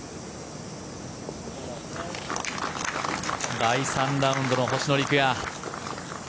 第３ラウンドの星野陸也。